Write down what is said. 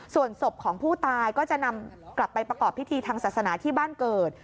ส่วนศพของผู้ตายก็จะนำกลับไปประกอบพิธีทางศาสนาที่บ้านเกิด